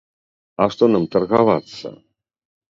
А што нам таргавацца?